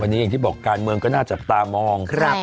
วันนี้อย่างที่บอกการเมืองก็น่าจับตามอง